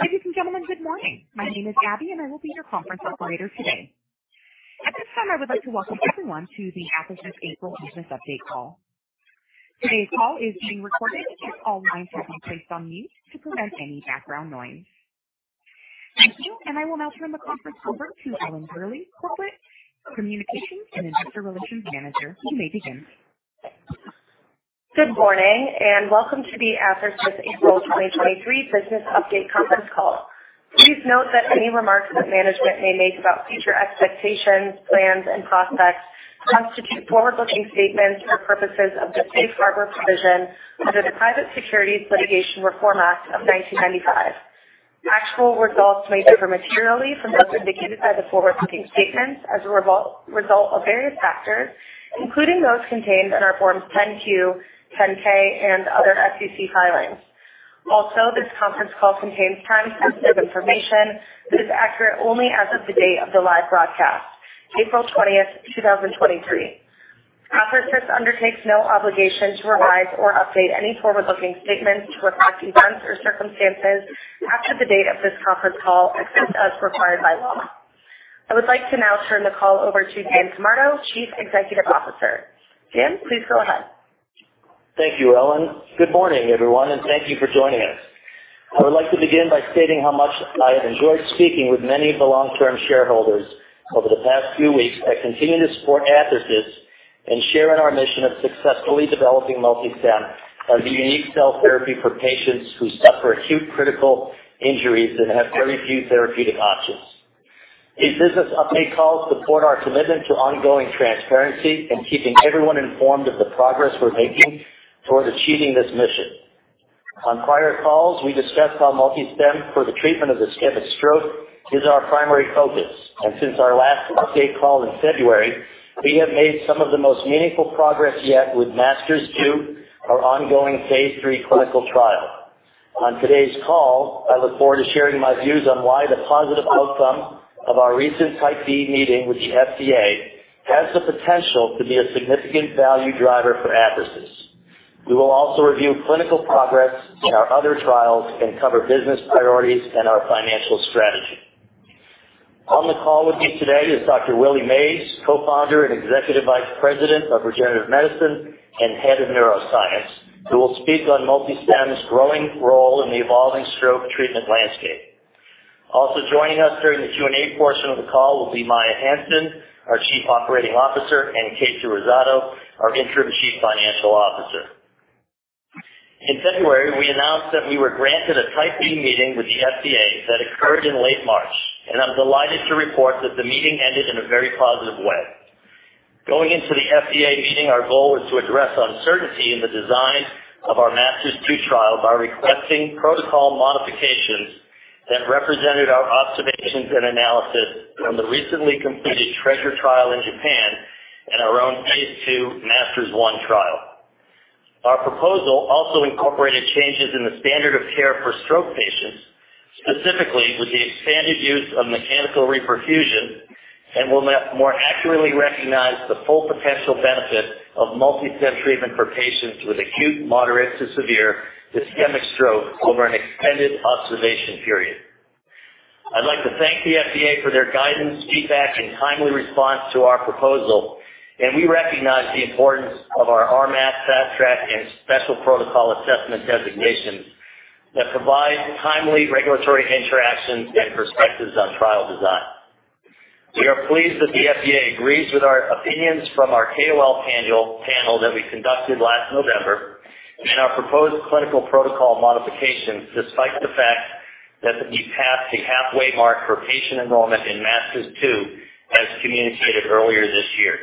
Ladies and gentlemen, good morning. My name is Abby, and I will be your conference operator today. At this time, I would like to welcome everyone to the Athersys April business update call. Today's call is being recorded, and all lines have been placed on mute to prevent any background noise. Thank you, and I will now turn the conference over to Ellen Gurley, Corporate Communications and Investor Relations Manager. You may begin. Good morning, and welcome to the Athersys April 2023 business update conference call. Please note that any remarks that management may make about future expectations, plans and prospects constitute forward-looking statements for purposes of the Safe Harbor provision under the Private Securities Litigation Reform Act of 1995. Actual results may differ materially from those indicated by the forward-looking statements as a result of various factors, including those contained in our Forms 10-Q, 10-K, and other SEC filings. This conference call contains time-sensitive information that is accurate only as of the date of the live broadcast, April 20, 2023. Athersys undertakes no obligation to revise or update any forward-looking statements to reflect events or circumstances after the date of this conference call, except as required by law. I would like to now turn the call over to Daniel Camardo, Chief Executive Officer. Dan, please go ahead. Thank you, Ellen. Good morning, everyone, and thank you for joining us. I would like to begin by stating how much I have enjoyed speaking with many of the long-term shareholders over the past few weeks that continue to support Athersys and share in our mission of successfully developing MultiStem as a unique cell therapy for patients who suffer acute critical injuries and have very few therapeutic options. These business update calls support our commitment to ongoing transparency and keeping everyone informed of the progress we're making toward achieving this mission. On prior calls, we discussed how MultiStem for the treatment of ischemic stroke is our primary focus. Since our last update call in February, we have made some of the most meaningful progress yet with MASTERS-2, our ongoing Phase 3 clinical trial. On today's call, I look forward to sharing my views on why the positive outcome of our recent Type B meeting with the FDA has the potential to be a significant value driver for Athersys. We will also review clinical progress in our other trials and cover business priorities and our financial strategy. On the call with me today is Dr. Robert Mays, Co-founder and Executive Vice President of Regenerative Medicine and Head of Neuroscience, who will speak on MultiStem's growing role in the evolving stroke treatment landscape. Also joining us during the Q&A portion of the call will be Maia Hansen, our Chief Operating Officer, and Kasey Rosado, our Interim Chief Financial Officer. In February, we announced that we were granted a Type B meeting with the FDA that occurred in late March, and I'm delighted to report that the meeting ended in a very positive way. Going into the FDA meeting, our goal was to address uncertainty in the design of our MASTERS-2 trial by requesting protocol modifications that represented our observations and analysis from the recently completed TREASURE trial in Japan and our own Phase 2 MASTERS-1 trial. Our proposal also incorporated changes in the standard of care for stroke patients, specifically with the expanded use of mechanical reperfusion, and will more accurately recognize the full potential benefit of MultiStem treatment for patients with acute moderate to severe ischemic stroke over an extended observation period. I'd like to thank the FDA for their guidance, feedback, and timely response to our proposal. We recognize the importance of our RMAT, Fast Track, and Special Protocol Assessment designations that provide timely regulatory interactions and perspectives on trial design. We are pleased that the FDA agrees with our opinions from our KOL panel that we conducted last November and our proposed clinical protocol modifications, despite the fact that we passed the halfway mark for patient enrollment in MASTERS-2, as communicated earlier this year.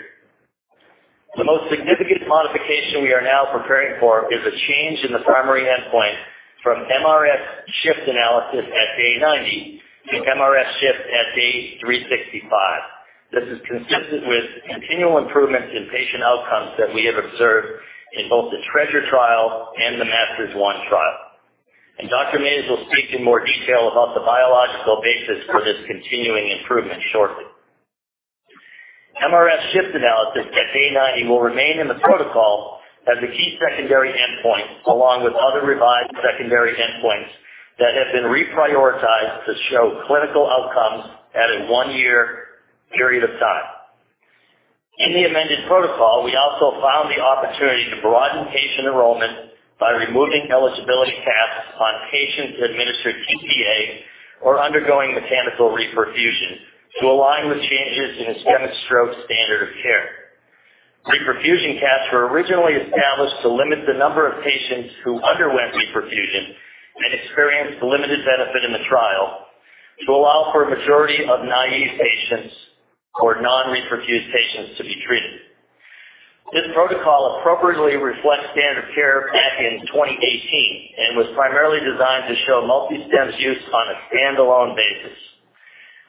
The most significant modification we are now preparing for is a change in the primary endpoint from mRS shift analysis at day 90 to mRS shift at day 365. This is consistent with continual improvements in patient outcomes that we have observed in both the TREASURE trial and the MASTERS-1 trial. Dr. Mays will speak in more detail about the biological basis for this continuing improvement shortly. mRS shift analysis at day 90 will remain in the protocol as a key secondary endpoint, along with other revised secondary endpoints that have been reprioritized to show clinical outcomes at a one-year period of time. In the amended protocol, we also found the opportunity to broaden patient enrollment by removing eligibility caps on patients administered tPA or undergoing mechanical reperfusion to align with changes in ischemic stroke standard of care. Reperfusion caps were originally established to limit the number of patients who underwent reperfusion and experienced limited benefit in the trial to allow for a majority of naive patients or non-reperfused patients to be treated. This protocol appropriately reflects standard care back in 2018 and was primarily designed to show MultiStem's use on a standalone basis.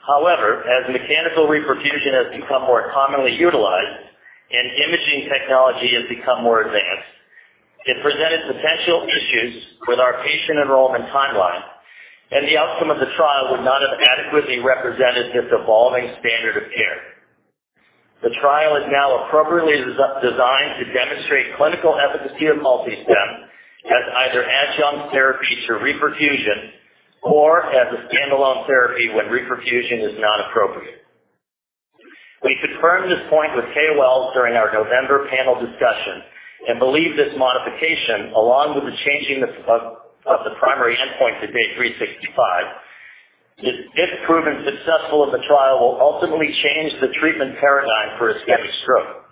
However, as mechanical reperfusion has become more commonly utilized and imaging technology has become more advanced, it presented potential issues with our patient enrollment timeline, and the outcome of the trial would not have adequately represented this evolving standard of care. The trial is now appropriately designed to demonstrate clinical efficacy of MultiStem as either adjunct therapy to reperfusion or as a standalone therapy when reperfusion is not appropriate. We confirmed this point with KOLs during our November panel discussion and believe this modification, along with the changing of the primary endpoint to day 365, if proven successful in the trial, will ultimately change the treatment paradigm for ischemic stroke.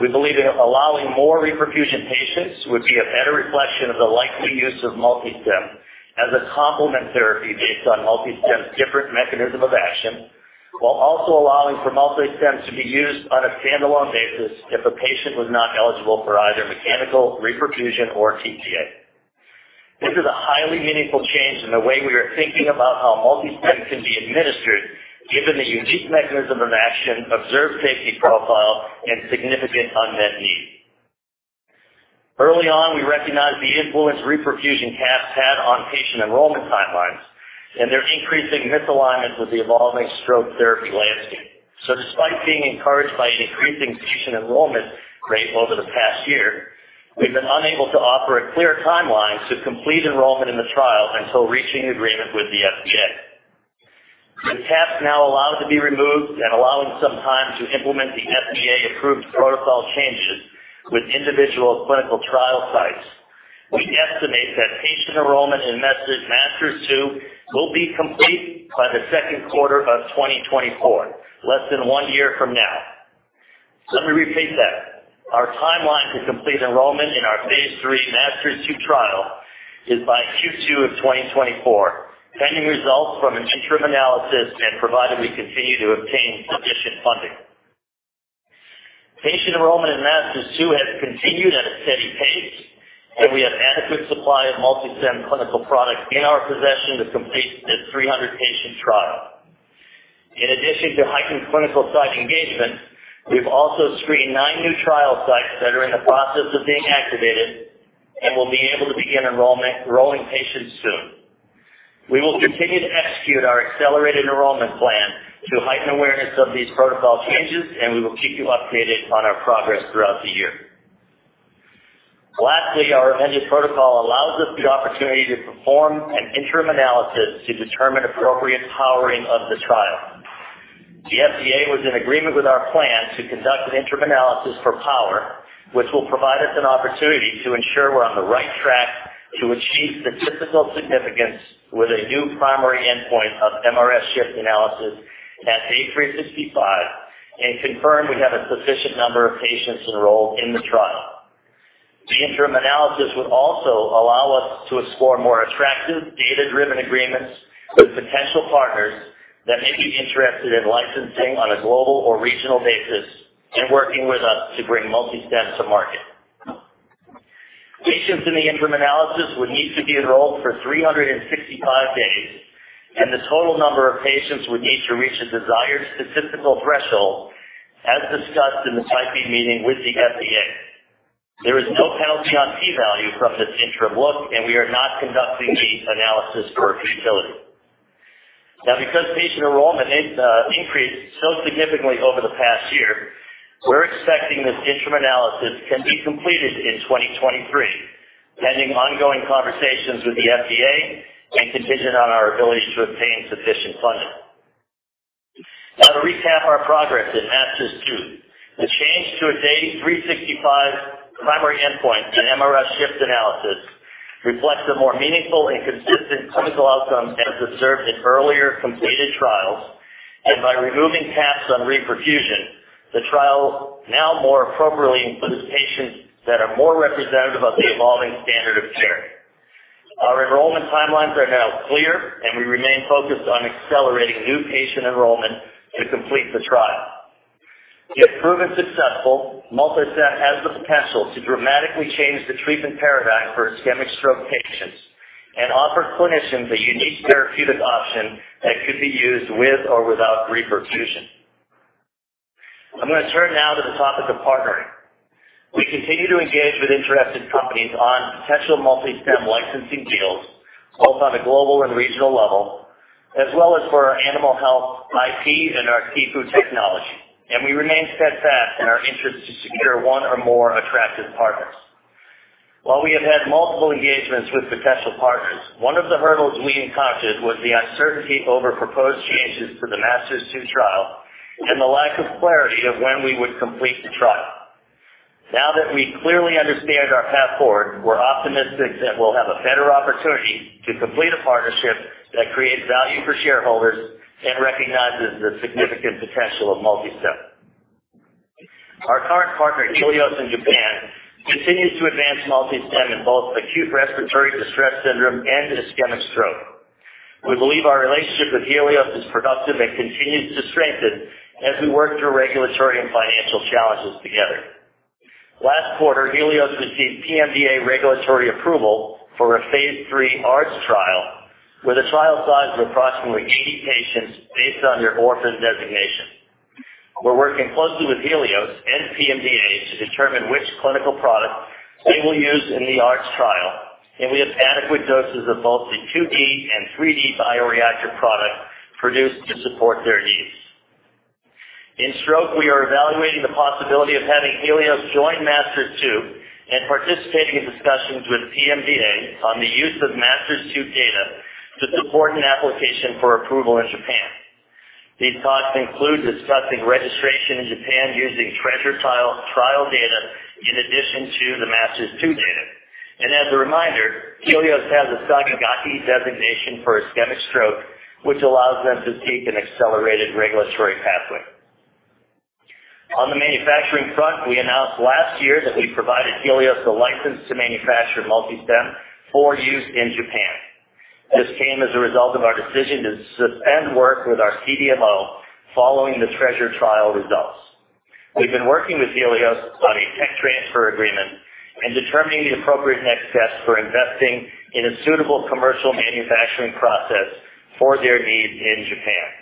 We believe in allowing more reperfusion patients would be a better reflection of the likely use of MultiStem as a complement therapy based on MultiStem's different mechanism of action, while also allowing for MultiStem to be used on a standalone basis if a patient was not eligible for either mechanical reperfusion or tPA. This is a highly meaningful change in the way we are thinking about how MultiStem can be administered, given the unique mechanism of action, observed safety profile and significant unmet need. Early on, we recognized the influence reperfusion caps had on patient enrollment timelines and their increasing misalignment with the evolving stroke therapy landscape. Despite being encouraged by an increasing patient enrollment rate over the past year, we've been unable to offer a clear timeline to complete enrollment in the trial until reaching agreement with the FDA. With caps now allowed to be removed and allowing some time to implement the FDA-approved protocol changes with individual clinical trial sites, we estimate that patient enrollment in MASTERS-2 will be complete by the Q2 of 2024, less than one year from now. Let me repeat that. Our timeline to complete enrollment in our Phase 3 MASTERS-2 trial is by Q2 of 2024, pending results from an interim analysis and provided we continue to obtain sufficient funding. Patient enrollment in MASTERS-2 has continued at a steady pace, and we have adequate supply of MultiStem clinical product in our possession to complete this 300 patient trial. In addition to heightened clinical site engagement, we've also screened 9 new trial sites that are in the process of being activated and will be able to begin enrolling patients soon. We will continue to execute our accelerated enrollment plan to heighten awareness of these protocol changes, and we will keep you updated on our progress throughout the year. Lastly, our amended protocol allows us the opportunity to perform an interim analysis to determine appropriate powering of the trial. The FDA was in agreement with our plan to conduct an interim analysis for power, which will provide us an opportunity to ensure we're on the right track to achieve statistical significance with a new primary endpoint of mRS shift analysis at day 365 and confirm we have a sufficient number of patients enrolled in the trial. The interim analysis would also allow us to explore more attractive data-driven agreements with potential partners that may be interested in licensing on a global or regional basis and working with us to bring MultiStem to market. Patients in the interim analysis would need to be enrolled for 365 days. The total number of patients would need to reach a desired statistical threshold, as discussed in the Type B meeting with the FDA. There is no penalty on P-value from this interim look, and we are not conducting the analysis for futility. Because patient enrollment increased so significantly over the past year, we're expecting this interim analysis can be completed in 2023, pending ongoing conversations with the FDA and contingent on our ability to obtain sufficient funding. To recap our progress in MASTERS-2. The change to a day 365 primary endpoint and mRS shift analysis reflects a more meaningful and consistent clinical outcome as observed in earlier completed trials. By removing caps on reperfusion, the trial now more appropriately includes patients that are more representative of the evolving standard of care. Our enrollment timelines are now clear, and we remain focused on accelerating new patient enrollment to complete the trial. If proven successful, MultiStem has the potential to dramatically change the treatment paradigm for ischemic stroke patients and offer clinicians a unique therapeutic option that could be used with or without reperfusion. I'm gonna turn now to the topic of partnering. We continue to engage with interested companies on potential MultiStem licensing deals both on a global and regional level, as well as for our animal health IP and our SIFU technology. We remain steadfast in our interest to secure one or more attractive partners. While we have had multiple engagements with potential partners, one of the hurdles we encountered was the uncertainty over proposed changes to the MASTERS-2 trial and the lack of clarity of when we would complete the trial. Now that we clearly understand our path forward, we're optimistic that we'll have a better opportunity to complete a partnership that creates value for shareholders and recognizes the significant potential of MultiStem. Our current partner, Healios in Japan, continues to advance MultiStem in both acute respiratory distress syndrome and ischemic stroke. We believe our relationship with Healios is productive and continues to strengthen as we work through regulatory and financial challenges together. Last quarter, Healios received PMDA regulatory approval for a Phase 3 ARDS trial with a trial size of approximately 80 patients based on their orphan designation. We're working closely with Healios and PMDA to determine which clinical product they will use in the ARDS trial, and we have adequate doses of both the 2D and 3D bioreactor product produced to support their needs. In stroke, we are evaluating the possibility of having Healios join MASTERS-2 and participating in discussions with PMDA on the use of MASTERS-2 data to support an application for approval in Japan. These talks include discussing registration in Japan using TREASURE trial data in addition to the MASTERS-2 data. As a reminder, Healios has a Sakigake designation for ischemic stroke, which allows them to take an accelerated regulatory pathway. On the manufacturing front, we announced last year that we provided Healios the license to manufacture MultiStem for use in Japan. This came as a result of our decision to suspend work with our CDMO following the TREASURE trial results. We've been working with Healios on a tech transfer agreement and determining the appropriate next steps for investing in a suitable commercial manufacturing process for their needs in Japan.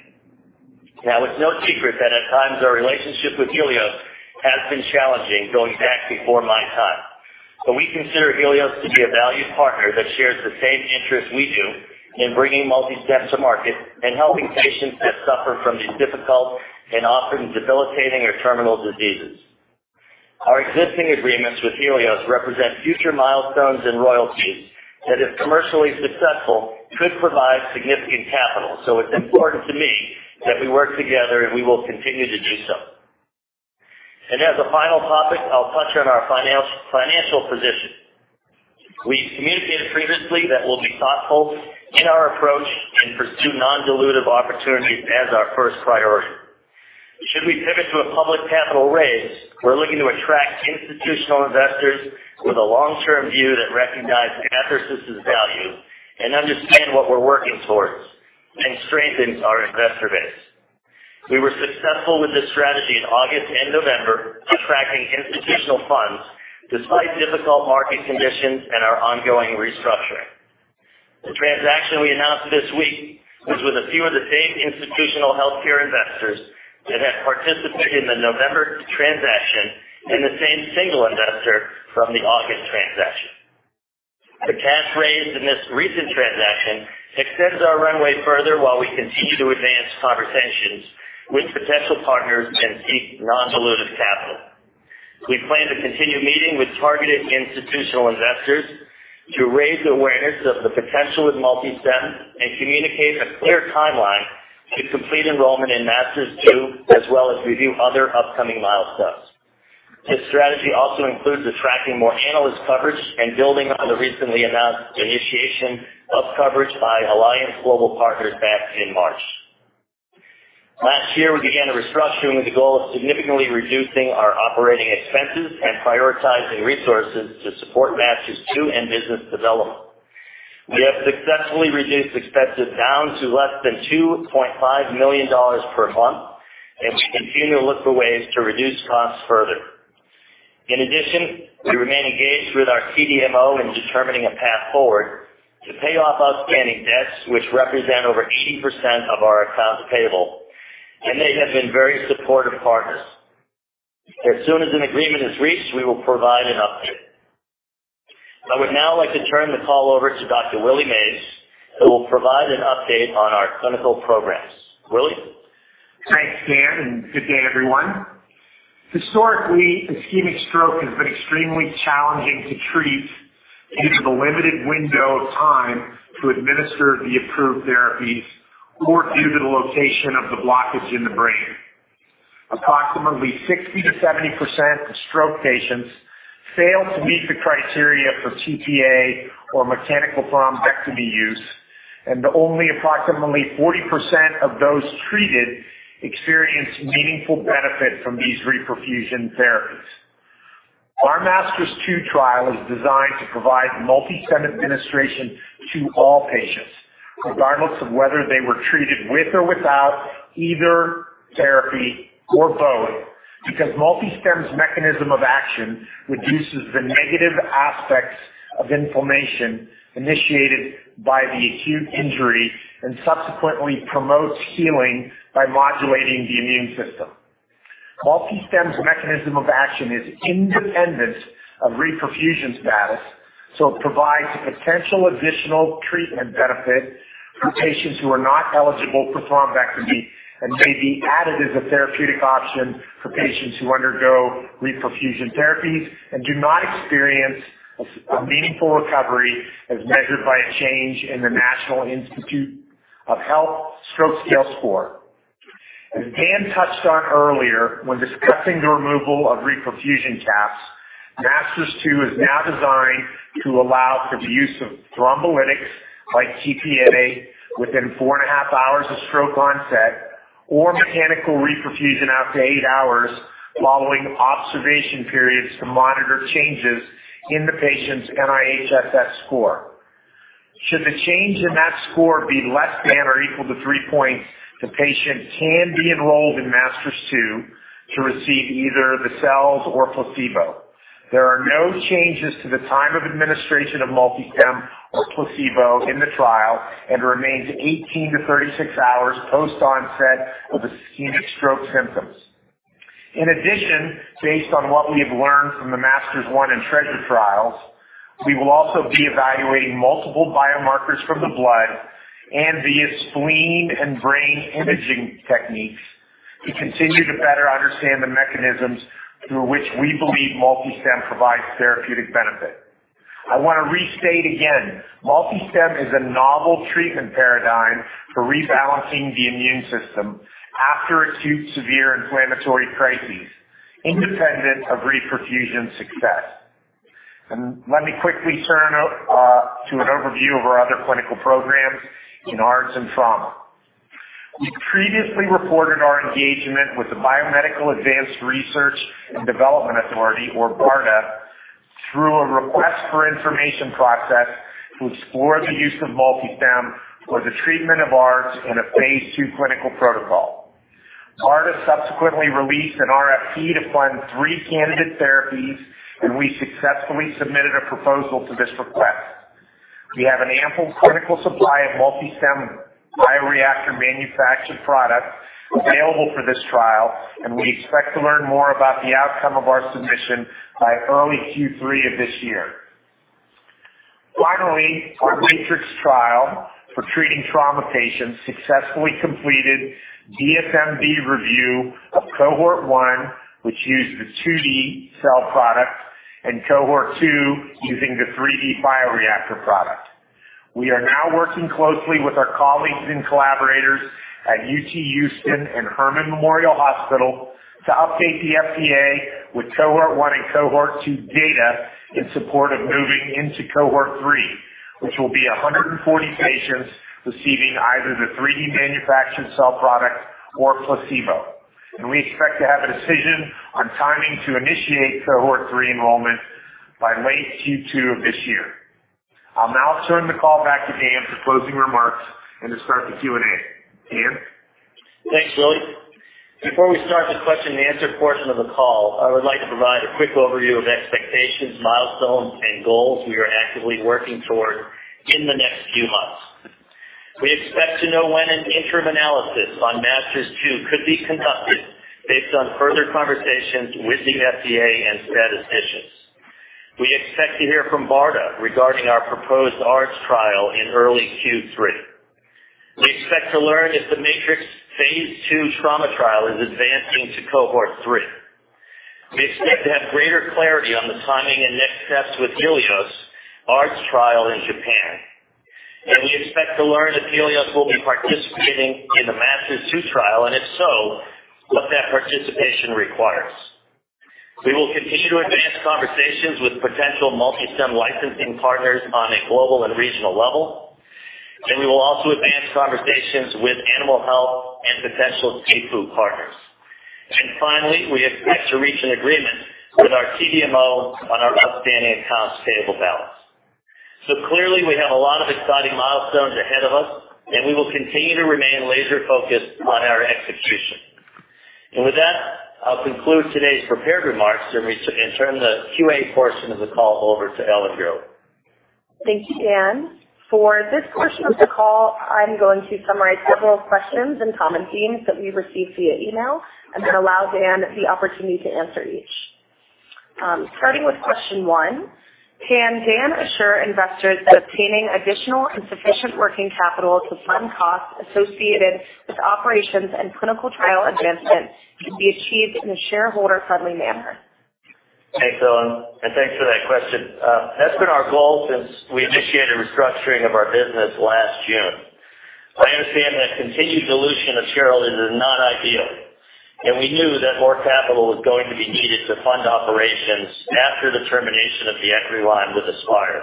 It's no secret that at times our relationship with Healios has been challenging, going back before my time. We consider Healios to be a valued partner that shares the same interests we do in bringing MultiStem to market and helping patients that suffer from these difficult and often debilitating or terminal diseases. Our existing agreements with Healios represent future milestones and royalties that, if commercially successful, could provide significant capital. It's important to me that we work together, and we will continue to do so. As a final topic, I'll touch on our financial position. We communicated previously that we'll be thoughtful in our approach and pursue non-dilutive opportunities as our first priority. Should we pivot to a public capital raise, we're looking to attract institutional investors with a long-term view that recognize Athersys' value and understand what we're working towards and strengthen our investor base. We were successful with this strategy in August and November, attracting institutional funds despite difficult market conditions and our ongoing restructuring. The transaction we announced this week was with a few of the same institutional healthcare investors that had participated in the November transaction and the same single investor from the August transaction. The cash raised in this recent transaction extends our runway further while we continue to advance conversations with potential partners and seek non-dilutive capital. We plan to continue meeting with targeted institutional investors to raise awareness of the potential with MultiStem and communicate a clear timeline to complete enrollment in MASTERS-2, as well as review other upcoming milestones. This strategy also includes attracting more analyst coverage and building on the recently announced initiation of coverage by Alliance Global Partners back in March. Last year, we began a restructuring with the goal of significantly reducing our operating expenses and prioritizing resources to support MASTERS-2 and business development. We have successfully reduced expenses down to less than $2.5 million per month. We continue to look for ways to reduce costs further. In addition, we remain engaged with our CDMO in determining a path forward to pay off outstanding debts, which represent over 80% of our accounts payable. They have been very supportive partners. As soon as an agreement is reached, we will provide an update. I would now like to turn the call over to Dr. Willie Mays, who will provide an update on our clinical programs. Willie? Thanks, Dan, good day, everyone. Historically, ischemic stroke has been extremely challenging to treat due to the limited window of time to administer the approved therapies or due to the location of the blockage in the brain. Approximately 60%-70% of stroke patients fail to meet the criteria for tPA or mechanical thrombectomy use, only approximately 40% of those treated experience meaningful benefit from these reperfusion therapies. Our MASTERS-2 trial is designed to provide MultiStem administration to all patients, regardless of whether they were treated with or without either therapy or both, because MultiStem's mechanism of action reduces the negative aspects of inflammation initiated by the acute injury and subsequently promotes healing by modulating the immune system. MultiStem's mechanism of action is independent of reperfusion status, it provides a potential additional treatment benefit for patients who are not eligible for thrombectomy and may be added as a therapeutic option for patients who undergo reperfusion therapies and do not experience a meaningful recovery as measured by a change in the National Institutes of Health Stroke Scale score. As Dan touched on earlier when discussing the removal of reperfusion caps, MASTERS-2 is now designed to allow for the use of thrombolytics like tPA within 4 and a half hours of stroke onset or mechanical reperfusion up to 8 hours following observation periods to monitor changes in the patient's NIHSS score. Should the change in that score be less than or equal to 3 points, the patient can be enrolled in MASTERS-2 to receive either the cells or placebo. There are no changes to the time of administration of MultiStem or placebo in the trial, and remains 18 to 36 hours post onset of ischemic stroke symptoms. In addition, based on what we have learned from the MASTERS-1 and TREASURE trials, we will also be evaluating multiple biomarkers from the blood and via spleen and brain imaging techniques to continue to better understand the mechanisms through which we believe MultiStem provides therapeutic benefit. I want to restate again, MultiStem is a novel treatment paradigm for rebalancing the immune system after acute severe inflammatory crises independent of reperfusion success. Let me quickly turn to an overview of our other clinical programs in ARDS and trauma. We previously reported our engagement with the Biomedical Advanced Research and Development Authority, or BARDA, through a request for information process to explore the use of MultiStem for the treatment of ARDS in a Phase 2 clinical protocol. BARDA subsequently released an RFP to fund three candidate therapies. We successfully submitted a proposal for this request. We have an ample clinical supply of MultiStem bioreactor manufactured products available for this trial. We expect to learn more about the outcome of our submission by early Q3 of this year. Finally, our MATRICS-1 trial for treating trauma patients successfully completed DSMB review of cohort one, which used the 2D cell product, and cohort two using the 3D bioreactor product. We are now working closely with our colleagues and collaborators at UTHealth Houston and Memorial Hermann Hospital to update the FDA with cohort one and cohort two data in support of moving into cohort three, which will be 140 patients receiving either the 3D manufactured cell product or placebo. We expect to have a decision on timing to initiate cohort three enrollment by late Q2 of this year. I'll now turn the call back to Dan for closing remarks and to start the Q&A. Dan? Thanks, Willie. Before we start the question and answer portion of the call, I would like to provide a quick overview of expectations, milestones, and goals we are actively working toward in the next few months. We expect to know when an interim analysis on MASTERS-2 could be conducted based on further conversations with the FDA and statisticians. We expect to hear from BARDA regarding our proposed ARDS trial in early Q3. We expect to learn if the MATRICS-1 Phase 2 trauma trial is advancing to cohort 3. We expect to have greater clarity on the timing and next steps with Healios ARDS trial in Japan. We expect to learn if Healios will be participating in the MASTERS-2 trial, and if so, what that participation requires. We will continue to advance conversations with potential MultiStem licensing partners on a global and regional level. We will also advance conversations with animal health and potential SIFU partners. Finally, we expect to reach an agreement with our CDMO on our outstanding accounts payable balance. Clearly we have a lot of exciting milestones ahead of us, and we will continue to remain laser focused on our execution. With that, I'll conclude today's prepared remarks and turn the QA portion of the call over to Ellen Gurley. Thank you, Dan. For this portion of the call, I'm going to summarize several questions and common themes that we received via email and then allow Dan the opportunity to answer each. Starting with question one. Can Dan assure investors that obtaining additional and sufficient working capital to fund costs associated with operations and clinical trial advancement can be achieved in a shareholder friendly manner? Thanks, Ellen, and thanks for that question. That's been our goal since we initiated restructuring of our business last June. I understand that continued dilution of shareholders is not ideal, and we knew that more capital was going to be needed to fund operations after the termination of the equity line with Aspire,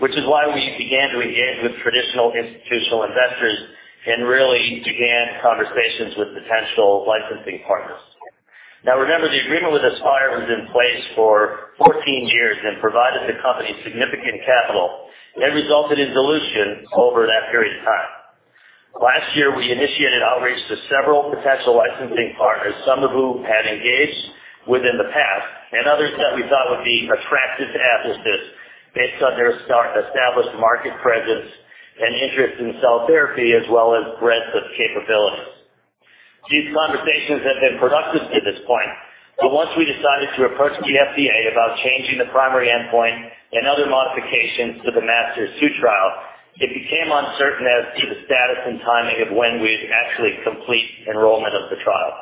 which is why we began to engage with traditional institutional investors and really began conversations with potential licensing partners. Remember, the agreement with Aspire was in place for 14 years and provided the company significant capital and resulted in dilution over that period of time. Last year we initiated outreach to several potential licensing partners, some of whom had engaged with in the past and others that we thought would be attracted to Athersys based on their star established market presence and interest in cell therapy, as well as breadth of capabilities. These conversations have been productive to this point, once we decided to approach the FDA about changing the primary endpoint and other modifications to the MASTERS-2 trial, it became uncertain as to the status and timing of when we'd actually complete enrollment of the trial.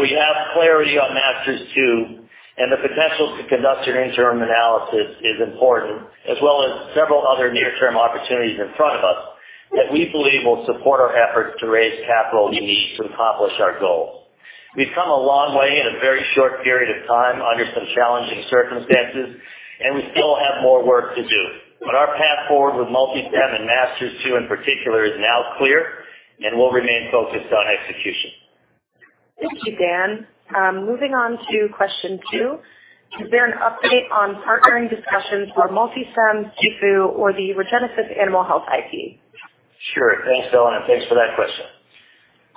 We have clarity on MASTERS-2 and the potential to conduct an interim analysis is important, as well as several other near-term opportunities in front of us that we believe will support our efforts to raise capital we need to accomplish our goals. We've come a long way in a very short period of time under some challenging circumstances, we still have more work to do. Our path forward with MultiStem and MASTERS-2 in particular is now clear, we'll remain focused on execution. Thank you, Dan. Moving on to question two. Is there an update on partnering discussions for MultiStem, SIFU or the ReGenesys Animal Health IP? Sure. Thanks, Ellen, and thanks for that question.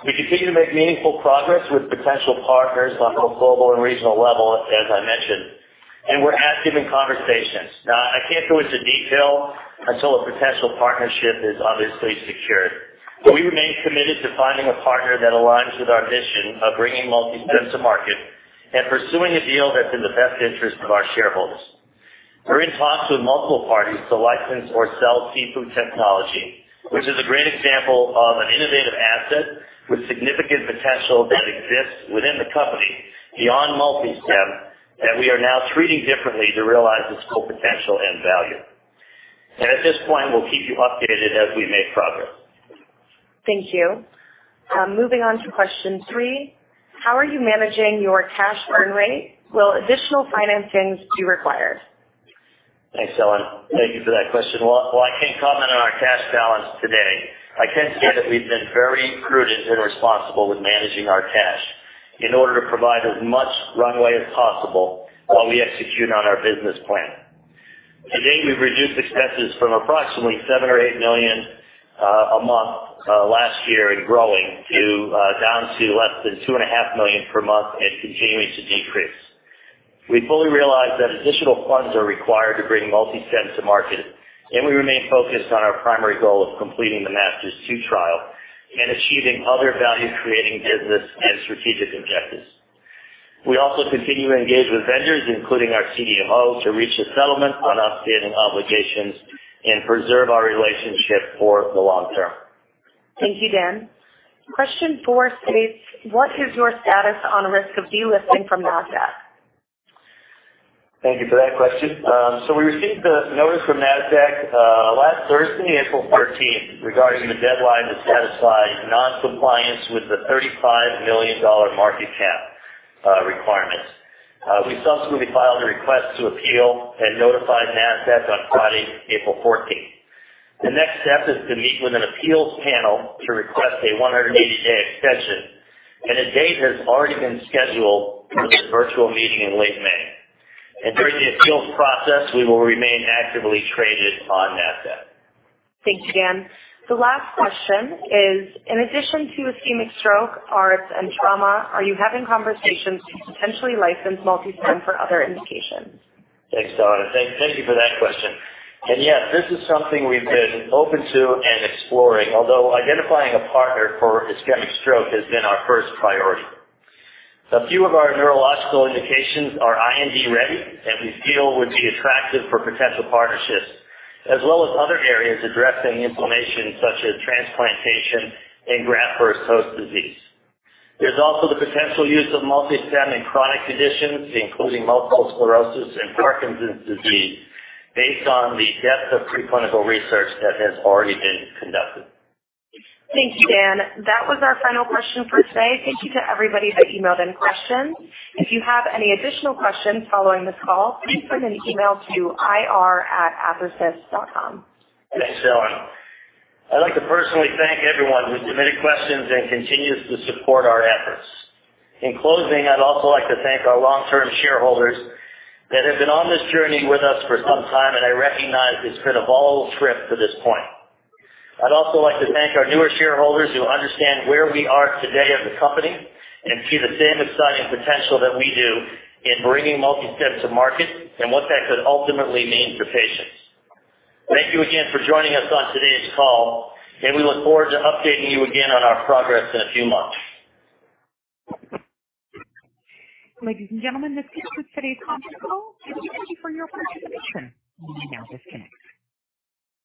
We continue to make meaningful progress with potential partners on both global and regional level, as I mentioned, and we're active in conversations. Now, I can't go into detail until a potential partnership is obviously secured. We remain committed to finding a partner that aligns with our mission of bringing MultiStem to market and pursuing a deal that's in the best interest of our shareholders. We're in talks with multiple parties to license or sell SIFU technology, which is a great example of an innovative asset with significant potential that exists within the company beyond MultiStem that we are now treating differently to realize its full potential and value. At this point, we'll keep you updated as we make progress. Thank you. Moving on to question three. How are you managing your cash burn rate? Will additional financings to required? Thanks, Ellen. Thank you for that question. While I can't comment on our cash balance today, I can say that we've been very prudent and responsible with managing our cash in order to provide as much runway as possible while we execute on our business plan. To date, we've reduced expenses from approximately $7 million to $8 million a month last year in growing to down to less than $2.5 million per month and continuing to decrease. We fully realize that additional funds are required to bring MultiStem to market, and we remain focused on our primary goal of completing the MASTERS-2 trial and achieving other value-creating business and strategic objectives. We also continue to engage with vendors, including our CDMO, to reach a settlement on outstanding obligations and preserve our relationship for the long term. Thank you, Dan. Question four states, what is your status on risk of delisting from Nasdaq? Thank you for that question. We received a notice from Nasdaq last Thursday, April 13th, regarding the deadline to satisfy non-compliance with the $35 million market cap requirements. We subsequently filed a request to appeal and notified Nasdaq on Friday, April 14th. The next step is to meet with an appeals panel to request a 180-day extension, and a date has already been scheduled for this virtual meeting in late May. During the appeals process, we will remain actively traded on Nasdaq. Thank you, Dan. The last question is, in addition to ischemic stroke, ARDS, and trauma, are you having conversations to potentially license MultiStem for other indications? Thanks, Dan. Thank you for that question. Yes, this is something we've been open to and exploring, although identifying a partner for ischemic stroke has been our first priority. A few of our neurological indications are IND ready and we feel would be attractive for potential partnerships, as well as other areas addressing inflammation such as transplantation and graft-versus-host disease. There's also the potential use of MultiStem in chronic conditions, including multiple sclerosis and Parkinson's disease based on the depth of pre-clinical research that has already been conducted. Thank you, Dan. That was our final question for today. Thank you to everybody that emailed in questions. If you have any additional questions following this call, please send an email to ir@athersys.com. Thanks, Ellen. I'd like to personally thank everyone who submitted questions and continues to support our efforts. In closing, I'd also like to thank our long-term shareholders that have been on this journey with us for some time, and I recognize it's been a volatile trip to this point. I'd also like to thank our newer shareholders who understand where we are today as a company and see the same exciting potential that we do in bringing MultiStem to market and what that could ultimately mean for patients. Thank you again for joining us on today's call, and we look forward to updating you again on our progress in a few months. Ladies and gentlemen, this concludes today's conference call. Thank you for your participation. You may now disconnect.